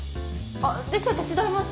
あっでしたら手伝います。